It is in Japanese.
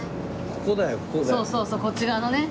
そうそうそうこちらのね。